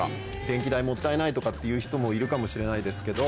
電気代もったいないとか言う人もいるかもしれないですけど